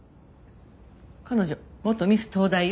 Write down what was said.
彼女元ミス東大よ。